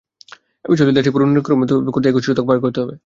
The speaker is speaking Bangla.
এভাবে চললে, দেশটি পুরো নিরক্ষরতামুক্ত করতে একুশ শতক পার করতে হবে।